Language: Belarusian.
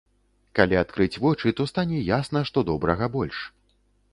Калі адкрыць вочы, то стане ясна, што добрага больш.